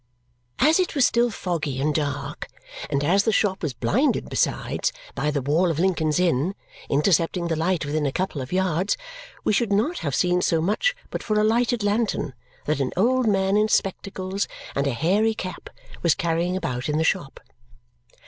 As it was still foggy and dark, and as the shop was blinded besides by the wall of Lincoln's Inn, intercepting the light within a couple of yards, we should not have seen so much but for a lighted lantern that an old man in spectacles and a hairy cap was carrying about in the shop.